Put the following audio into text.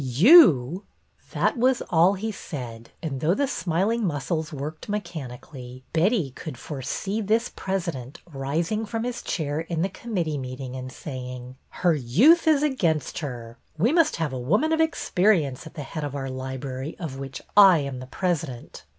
'^ '^You!'' 2o6 BETTY BAIRD'S VENTURES That was all he said, and, though the smiling muscles worked mechanically, Betty could foresee this president rising from his chair in the com mittee meeting and saying: '' Her youth is against her. We must have a woman of experience at the head of our library of which I am the president."